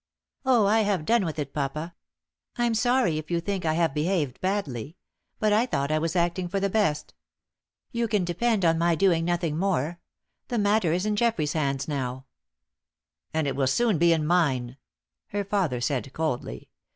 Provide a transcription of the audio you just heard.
"Oh, I have done with it, papa. I'm sorry if you think I have behaved badly; but I thought I was acting for the best. You can depend upon my doing nothing more. The matter is in Geoffrey's hands now." "And it will soon be in mine," her father said, coldly.